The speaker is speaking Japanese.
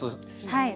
はい。